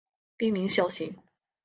滨名孝行。